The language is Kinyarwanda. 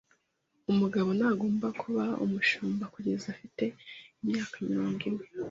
Umugabo ntagomba kuba umushumba kugeza afite imyaka mirongo ine.